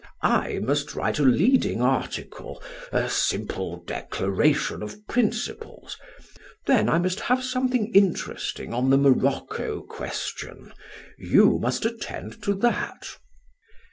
I must write a leading article, a simple declaration of principles; then I must have something interesting on the Morocco question you must attend to that."